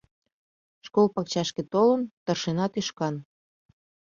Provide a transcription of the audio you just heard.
Школ пакчашке толын, тыршена тӱшкан.